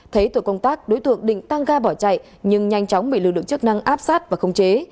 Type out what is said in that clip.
thấy tổ công tác đối tượng định tăng ga bỏ chạy nhưng nhanh chóng bị lực lượng chức năng áp sát và khống chế